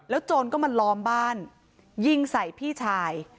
โจรก็มาล้อมบ้านยิงใส่พี่ชาย